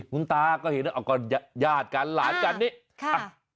คุณตาก็ยาดกันหลานกันที่ก่อเหตุ